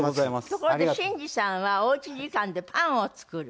ところで審司さんはお家時間でパンを作る？